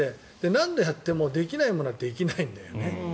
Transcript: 何度やってもできないものはできないんだよね。